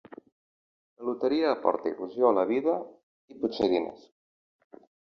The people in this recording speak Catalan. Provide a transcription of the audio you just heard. La loteria aporta il·lusió a la vida i potser diners.